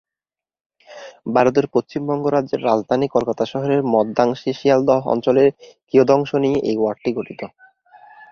ভারতের পশ্চিমবঙ্গ রাজ্যের রাজধানী কলকাতা শহরের মধ্যাংশে শিয়ালদহ অঞ্চলের কিয়দংশ নিয়ে এই ওয়ার্ডটি গঠিত।